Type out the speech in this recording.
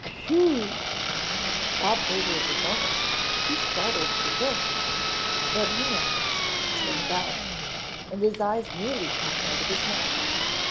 "Whew " Bob waited a moment, too startled to think, then he managed to turn about, and his eyes nearly popped out of his head.